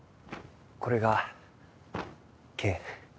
これが「け」。